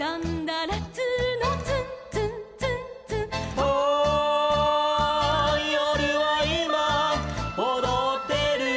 「ああよるはいまおどってる」